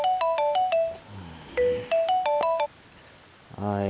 はい。